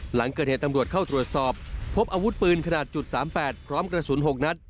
หลังเกิดเหตุตำรวจเข้าตรวจสอบพบอาวุธปืนขนาด๓๘พร้อมกระสุน๖นัด